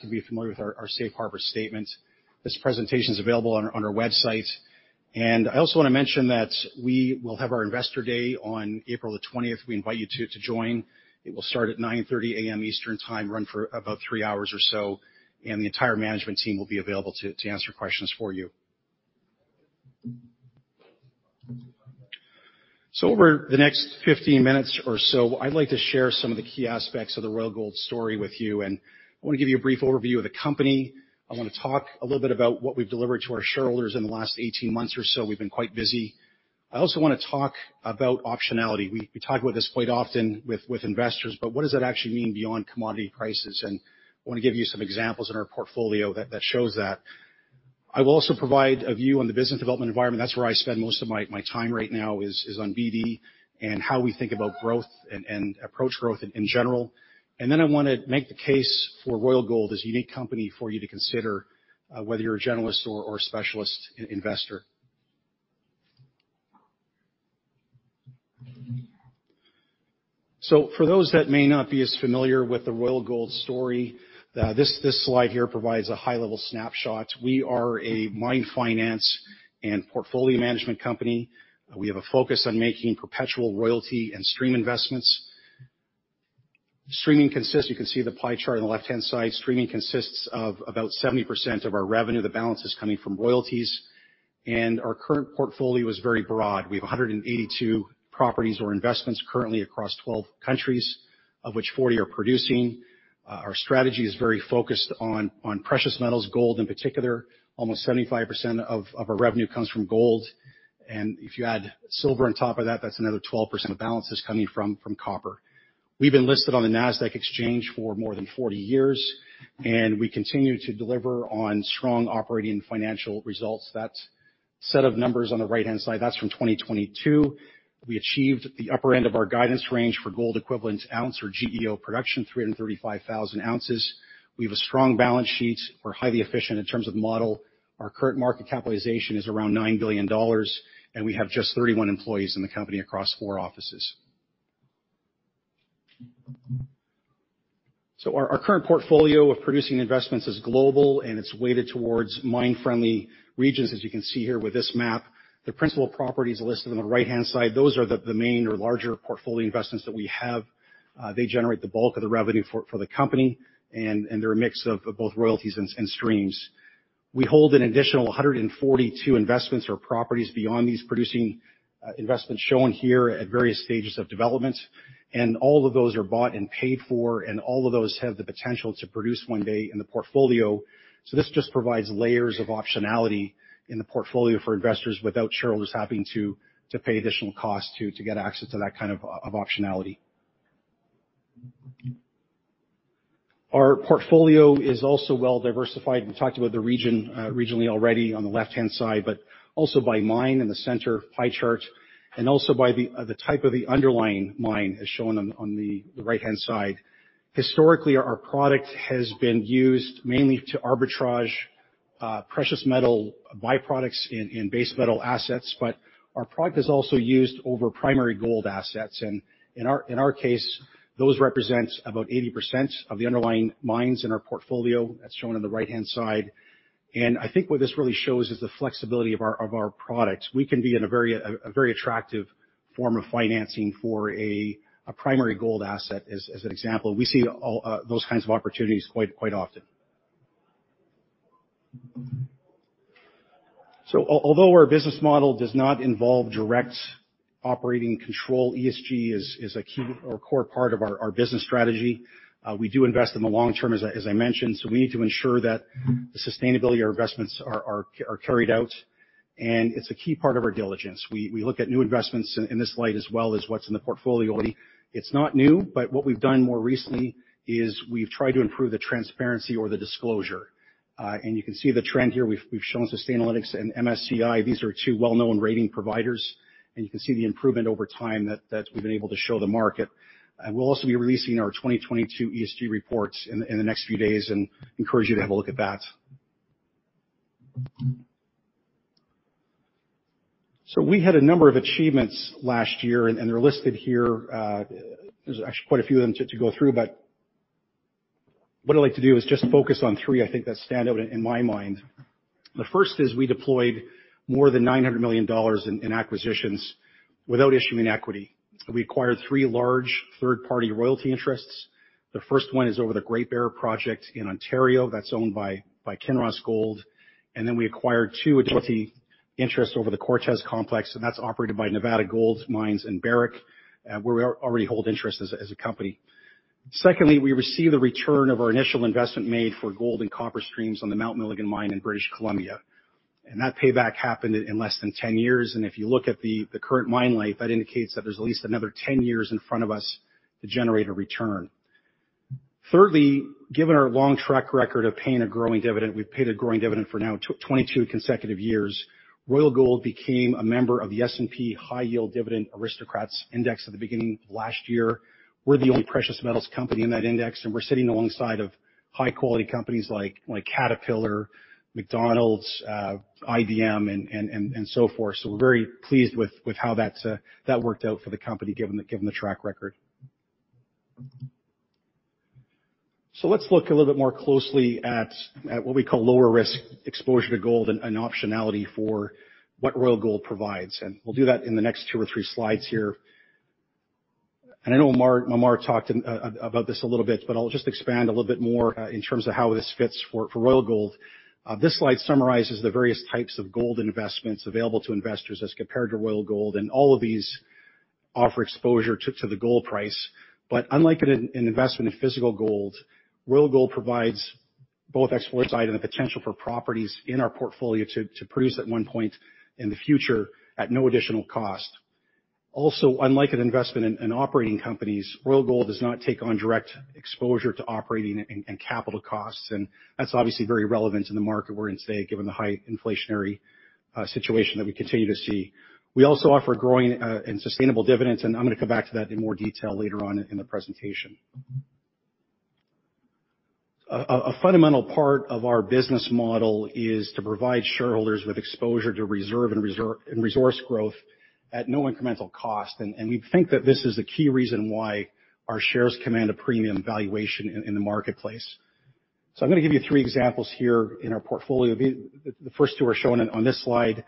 To be familiar with our safe harbor statement. This presentation is available on our website. I also want to mention that we will have our investor day on April the twentieth. We invite you to join. It will start at 9:30 A.M. Eastern Time, run for about three hours or so. The entire management team will be available to answer questions for you. Over the next 15 minutes or so, I'd like to share some of the key aspects of the Royal Gold story with you. I wanna give you a brief overview of the company. I wanna talk a little bit about what we've delivered to our shareholders in the last 18 months or so. We've been quite busy. I also wanna talk about optionality. We talk about this quite often with investors, but what does that actually mean beyond commodity prices? I wanna give you some examples in our portfolio that shows that. I will also provide a view on the business development environment. That's where I spend most of my time right now is on BD, and how we think about growth and approach growth in general. Then I wanna make the case for Royal Gold, this unique company for you to consider, whether you're a generalist or specialist in-investor. For those that may not be as familiar with the Royal Gold story, this slide here provides a high-level snapshot. We are a mine finance and portfolio management company. We have a focus on making perpetual royalty and stream investments. Streaming consists you can see the pie chart on the left-hand side. Streaming consists of about 70% of our revenue. The balance is coming from royalties. Our current portfolio is very broad. We have 182 properties or investments currently across 12 countries, of which 40 are producing. Our strategy is very focused on precious metals, gold in particular. Almost 75% of our revenue comes from gold. If you add silver on top of that's another 12% of balance that's coming from copper. We've been listed on the Nasdaq exchange for more than 40 years. We continue to deliver on strong operating financial results. That set of numbers on the right-hand side, that's from 2022. We achieved the upper end of our guidance range for gold equivalent ounce or GEO production, 335,000 ounces. We have a strong balance sheet. We're highly efficient in terms of model. Our current market capitalization is around $9 billion, and we have just 31 employees in the company across four offices. Our current portfolio of producing investments is global, and it's weighted towards mine-friendly regions, as you can see here with this map. The principal properties are listed on the right-hand side. Those are the main or larger portfolio investments that we have. They generate the bulk of the revenue for the company, and they're a mix of both royalties and streams. We hold an additional 142 investments or properties beyond these producing investments shown here at various stages of development. All of those are bought and paid for. All of those have the potential to produce one day in the portfolio. This just provides layers of optionality in the portfolio for investors without shareholders having to pay additional costs to get access to that kind of optionality. Our portfolio is also well diversified. We talked about the region regionally already on the left-hand side, but also by mine in the center pie chart, and also by the type of the underlying mine, as shown on the right-hand side. Historically, our product has been used mainly to arbitrage precious metal byproducts in base metal assets, but our product is also used over primary gold assets. In our case, those represent about 80% of the underlying mines in our portfolio. That's shown on the right-hand side. I think what this really shows is the flexibility of our products. We can be in a very attractive form of financing for a primary gold asset, as an example. We see all those kinds of opportunities quite often. Although our business model does not involve direct operating control, ESG is a key or core part of our business strategy. We do invest in the long term, as I mentioned, so we need to ensure that the sustainability of our investments are carried out, and it's a key part of our diligence. We look at new investments in this light, as well as what's in the portfolio already. It's not new, but what we've done more recently is we've tried to improve the transparency or the disclosure. You can see the trend here. We've shown Sustainalytics and MSCI. These are two well-known rating providers, and you can see the improvement over time that we've been able to show the market. We'll also be releasing our 2022 ESG reports in the next few days and encourage you to have a look at that. We had a number of achievements last year, and they're listed here. There's actually quite a few of them to go through, but what I'd like to do is just focus on three I think that stand out in my mind. The first is we deployed more than $900 million in acquisitions without issuing equity. We acquired three large third-party royalty interests. The first one is over the Great Bear project in Ontario that's owned by Kinross Gold. We acquired two interest over the Cortez complex, and that's operated by Nevada Gold Mines and Barrick, where we already hold interest as a company. Secondly, we received the return of our initial investment made for gold and copper streams on the Mount Milligan mine in British Columbia. That payback happened in less than 10 years. If you look at the current mine life, that indicates that there's at least another 10 years in front of us to generate a return. Thirdly, given our long track record of paying a growing dividend, we've paid a growing dividend for now 22 consecutive years. Royal Gold became a member of the S&P High Yield Dividend Aristocrats Index at the beginning of last year. We're the only precious metals company in that index, we're sitting alongside High quality companies like Caterpillar, McDonald's, IBM and so forth. We're very pleased with how that's that worked out for the company given the track record. Let's look a little bit more closely at what we call lower risk exposure to gold and optionality for what Royal Gold provides. We'll do that in the next two or three slides here. I know Amar talked about this a little bit, but I'll just expand a little bit more in terms of how this fits for Royal Gold. This slide summarizes the various types of gold investments available to investors as compared to Royal Gold, all of these offer exposure to the gold price. Unlike an investment in physical gold, Royal Gold provides both exposure and the potential for properties in our portfolio to produce at one point in the future at no additional cost. Also, unlike an investment in operating companies, Royal Gold does not take on direct exposure to operating and capital costs. That's obviously very relevant in the market we're in today, given the high inflationary situation that we continue to see. We also offer growing and sustainable dividends, and I'm gonna come back to that in more detail later on in the presentation. A fundamental part of our business model is to provide shareholders with exposure to reserve and resource growth at no incremental cost. We think that this is the key reason why our shares command a premium valuation in the marketplace. I'm gonna give you three examples here in our portfolio. The first two are shown on this slide,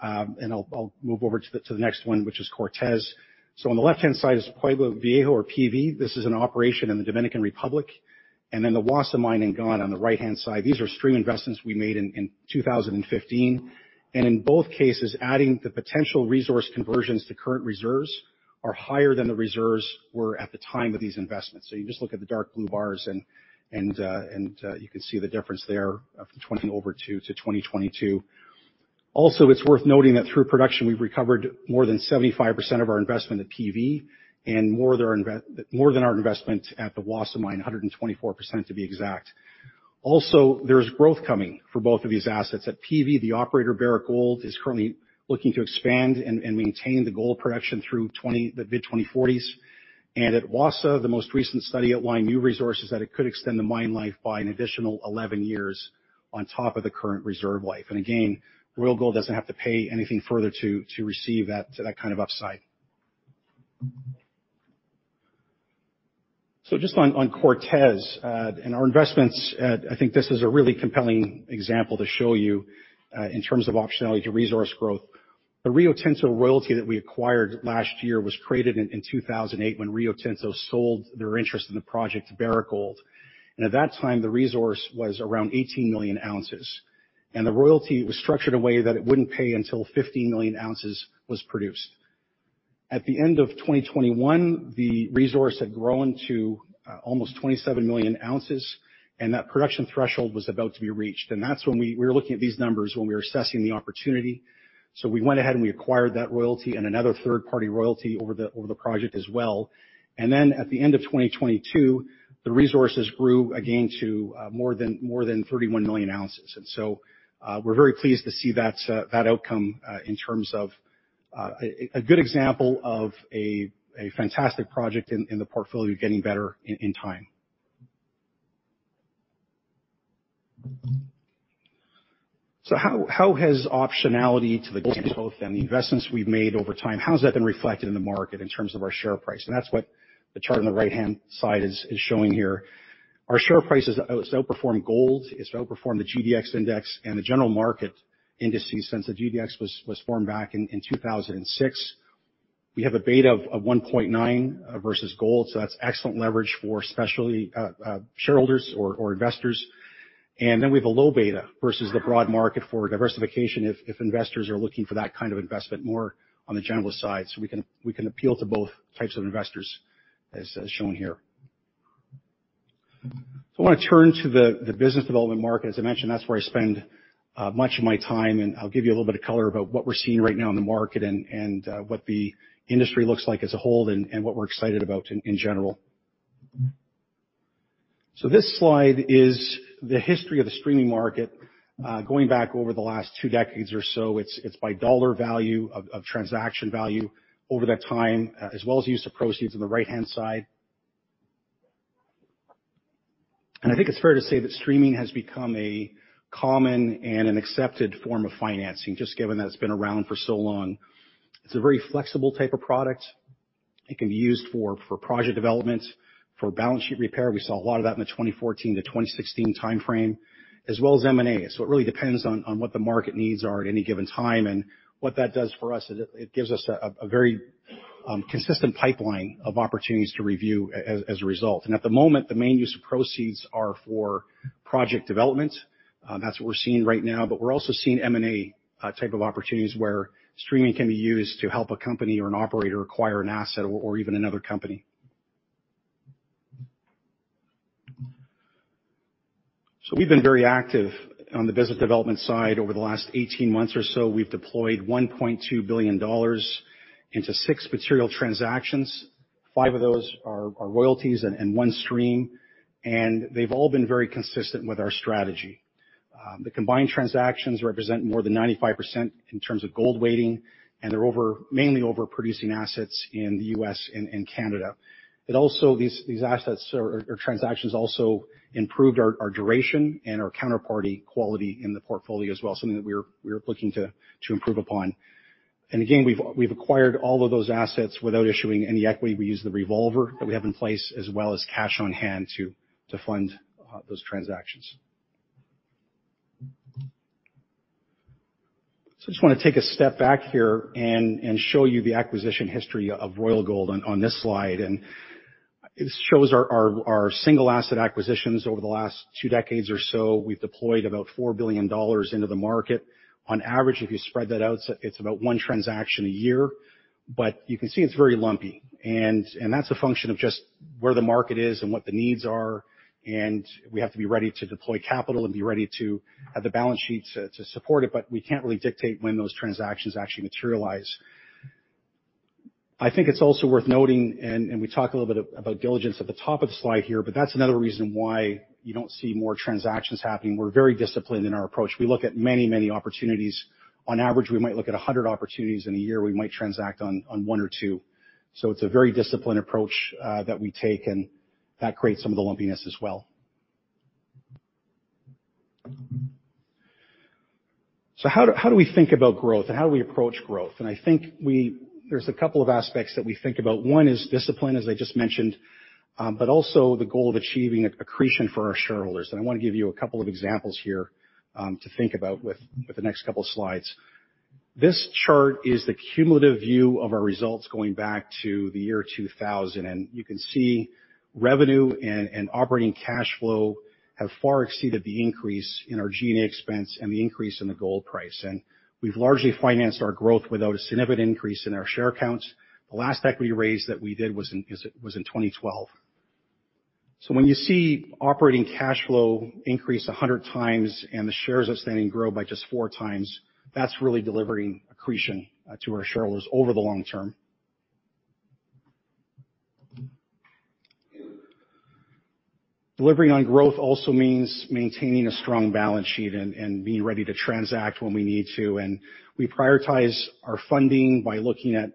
and I'll move over to the next one, which is Cortez. On the left-hand side is Pueblo Viejo or PV. This is an operation in the Dominican Republic. The Wassa Mine in Ghana on the right-hand side. These are stream investments we made in 2015. In both cases, adding the potential resource conversions to current reserves are higher than the reserves were at the time of these investments. You just look at the dark blue bars and you can see the difference there of 2002-2022. It's worth noting that through production, we've recovered more than 75% of our investment at PV, and more than our investment at the Wassa Mine, 124% to be exact. There's growth coming for both of these assets. At PV, the operator, Barrick Gold, is currently looking to expand and maintain the gold production through the mid-2040s. At Wassa, the most recent study outlined new resources that it could extend the mine life by an additional 11 years on top of the current reserve life. Again, Royal Gold doesn't have to pay anything further to receive that kind of upside. Just on Cortez, in our investments, I think this is a really compelling example to show you in terms of optionality to resource growth. The Rio Tinto royalty that we acquired last year was created in 2008 when Rio Tinto sold their interest in the project to Barrick Gold. At that time, the resource was around 18 million ounces. The royalty was structured in a way that it wouldn't pay until 15 million ounces was produced. At the end of 2021, the resource had grown to almost 27 million ounces, and that production threshold was about to be reached. That's when we were looking at these numbers when we were assessing the opportunity. We went ahead, and we acquired that royalty and another third-party royalty over the project as well. At the end of 2022, the resources grew again to more than 31 million ounces. We're very pleased to see that outcome in terms of a good example of a fantastic project in the portfolio getting better in time. How has optionality to the gold growth and the investments we've made over time, how has that been reflected in the market in terms of our share price? That's what the chart on the right-hand side is showing here. Our share price has outperformed gold. It's outperformed the GDX index and the general market indices since the GDX was formed back in 2006. We have a beta of 1.9% versus gold, so that's excellent leverage for especially shareholders or investors. Then we have a low beta versus the broad market for diversification if investors are looking for that kind of investment more on the general side. We can appeal to both types of investors as shown here. I wanna turn to the business development market. As I mentioned, that's where I spend much of my time, and I'll give you a little bit of color about what we're seeing right now in the market and what the industry looks like as a whole, and what we're excited about in general. This slide is the history of the streaming market, going back over the last two decades or so. It's by dollar value of transaction value over that time, as well as use of proceeds on the right-hand side. I think it's fair to say that streaming has become a common and an accepted form of financing, just given that it's been around for so long. It's a very flexible type of product. It can be used for project development, for balance sheet repair. We saw a lot of that in the 2014-2016 timeframe, as well as M&A. It really depends on what the market needs are at any given time. What that does for us is it gives us a very consistent pipeline of opportunities to review as a result. At the moment, the main use of proceeds are for project development. That's what we're seeing right now, but we're also seeing M&A type of opportunities where streaming can be used to help a company or an operator acquire an asset or even another company. We've been very active on the business development side over the last 18 months or so. We've deployed $1.2 billion into six material transactions. Five of those are royalties and one stream. They've all been very consistent with our strategy. The combined transactions represent more than 95% in terms of gold weighting, and they're mainly over producing assets in the U.S. and Canada. These assets or transactions also improved our duration and our counterparty quality in the portfolio as well, something that we're looking to improve upon. Again, we've acquired all of those assets without issuing any equity. We use the revolver that we have in place as well as cash on hand to fund those transactions. I just wanna take a step back here and show you the acquisition history of Royal Gold on this slide. It shows our single asset acquisitions over the last two decades or so. We've deployed about $4 billion into the market. On average, if you spread that out, it's about one transaction a year, but you can see it's very lumpy. That's a function of just where the market is and what the needs are, and we have to be ready to deploy capital and be ready to have the balance sheets to support it, but we can't really dictate when those transactions actually materialize. I think it's also worth noting, and we talked a little bit about diligence at the top of the slide here, but that's another reason why you don't see more transactions happening. We're very disciplined in our approach. We look at many, many opportunities. On average, we might look at 100 opportunities in a year. We might transact on one or two. It's a very disciplined approach that we take, and that creates some of the lumpiness as well. How do we think about growth and how do we approach growth? I think there's a couple of aspects that we think about. One is discipline, as I just mentioned, but also the goal of achieving accretion for our shareholders. I wanna give you a couple of examples here to think about with the next couple of slides. This chart is the cumulative view of our results going back to the year 2000, you can see revenue and operating cash flow have far exceeded the increase in our G&A expense and the increase in the gold price. We've largely financed our growth without a significant increase in our share counts. The last equity raise that we did was in 2012. When you see operating cash flow increase 100 times and the shares outstanding grow by just 4x, that's really delivering accretion to our shareholders over the long term. Delivering on growth also means maintaining a strong balance sheet and being ready to transact when we need to, and we prioritize our funding by looking at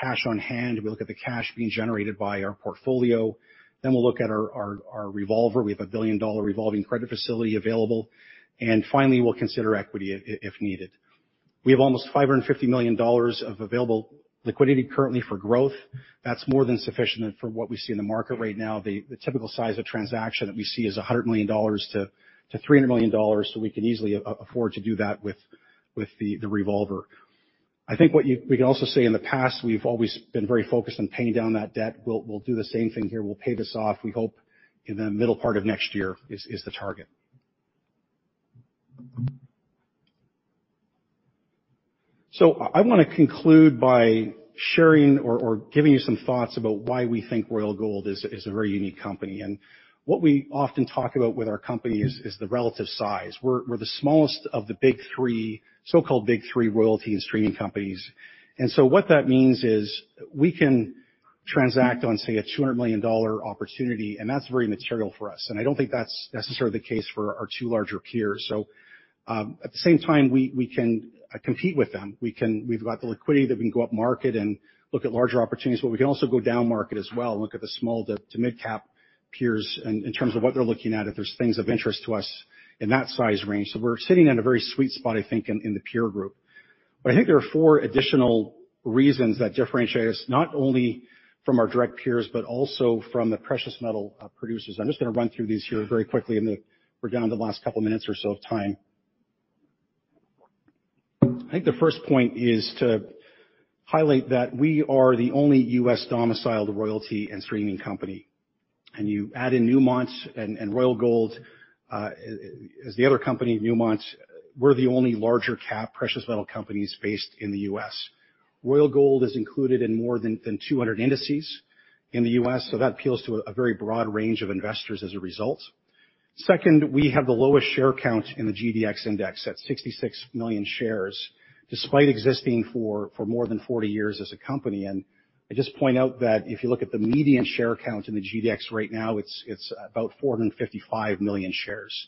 cash on hand. We look at the cash being generated by our portfolio, then we'll look at our revolver. We have a billion-dollar revolving credit facility available. Finally, we'll consider equity if needed. We have almost $550 million of available liquidity currently for growth. That's more than sufficient for what we see in the market right now. The typical size of transaction that we see is $100 million-$300 million, so we can easily afford to do that with the revolver. I think what we can also say in the past, we've always been very focused on paying down that debt. We'll do the same thing here. We'll pay this off, we hope, in the middle part of next year is the target. I wanna conclude by sharing or giving you some thoughts about why we think Royal Gold is a very unique company. What we often talk about with our company is the relative size. We're the smallest of the big three, so-called big three royalty and streaming companies. What that means is we can transact on, say, a $200 million opportunity, and that's very material for us. I don't think that's necessarily the case for our two larger peers. At the same time, we can compete with them. We've got the liquidity that we can go up market and look at larger opportunities, but we can also go down market as well and look at the small to midcap peers in terms of what they're looking at, if there's things of interest to us in that size range. We're sitting in a very sweet spot, I think, in the peer group. I think there are four additional reasons that differentiate us, not only from our direct peers, but also from the precious metal producers. I'm just gonna run through these here very quickly, and then we're down to the last couple minutes or so of time. I think the first point is to highlight that we are the only U.S.-domiciled royalty and streaming company. You add in Newmont and Royal Gold as the other company, Newmont, we're the only larger cap precious metal companies based in the U.S. Royal Gold is included in more than 200 indices in the U.S., so that appeals to a very broad range of investors as a result. Second, we have the lowest share count in the GDX index at 66 million shares, despite existing for more than 40 years as a company. I just point out that if you look at the median share count in the GDX right now, it's about 455 million shares.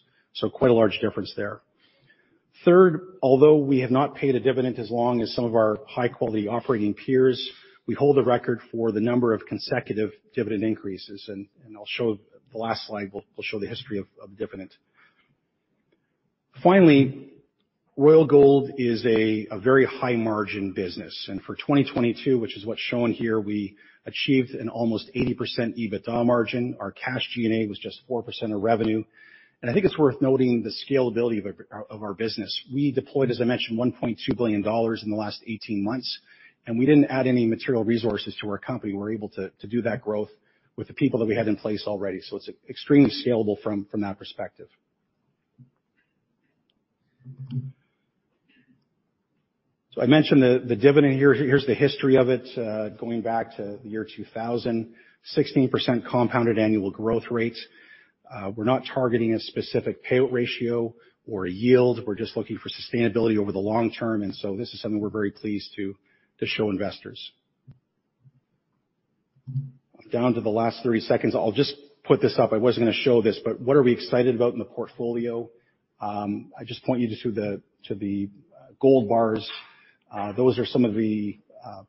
Quite a large difference there. Third, although we have not paid a dividend as long as some of our high-quality operating peers, we hold the record for the number of consecutive dividend increases, and I'll show the last slide will show the history of dividend. Finally, Royal Gold is a very high margin business, and for 2022, which is what's shown here, we achieved an almost 80% EBITDA margin. Our cash G&A was just 4% of revenue. I think it's worth noting the scalability of our business. We deployed, as I mentioned, $1.2 billion in the last 18 months, and we didn't add any material resources to our company. We're able to do that growth with the people that we had in place already. It's extremely scalable from that perspective. I mentioned the dividend here. Here's the history of it, going back to the year 2000. 16% compounded annual growth rates. We're not targeting a specific payout ratio or a yield. We're just looking for sustainability over the long term, and so this is something we're very pleased to show investors. Down to the last 30 seconds. I'll just put this up. I wasn't gonna show this, but what are we excited about in the portfolio? I just point you to the gold bars. Those are some of the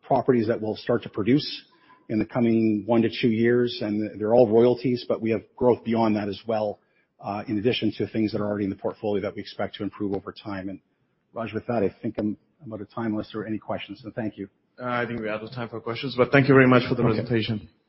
properties that we'll start to produce in the coming one to two years, and they're all royalties, but we have growth beyond that as well, in addition to things that are already in the portfolio that we expect to improve over time. Raj, with that, I think I'm out of time unless there are any questions. Thank you. I think we're out of time for questions, but thank you very much for the presentation. Okay.